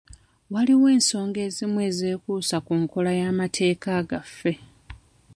Waliwo ensonga ezimu ezeekuusa ku nkola y'amateeka gaffe.